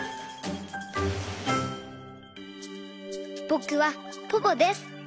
ぼくはポポです。